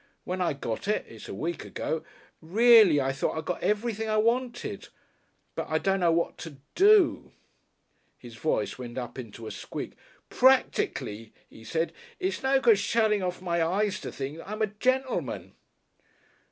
When I got it it's a week ago reely I thought I'd got everything I wanted. But I dunno what to do." His voice went up into a squeak. "Practically," he said, "it's no good shuttin' my eyes to things I'm a gentleman."